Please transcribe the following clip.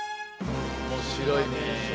面白いね。